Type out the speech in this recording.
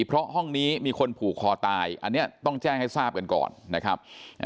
เพราะห้องนี้มีคนผูกคอตายอันนี้ต้องแจ้งให้ทราบกันก่อนนะครับ